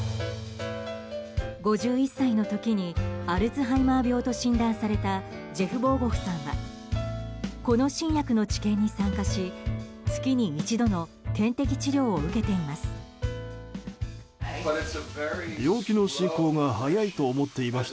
５１歳の時にアルツハイマー病と診断されたジェフ・ボーゴフさんはこの新薬の治験に参加し月に１度の点滴治療を受けています。